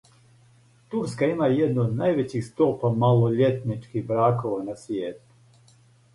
Турска има једну од највећих стопа малољетничких бракова на свијету.